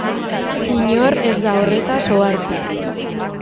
Inor ez da horretaz ohartu.